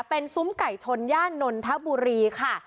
เป็นซุ้มไก่ชนย่านนทบุรีค่ะ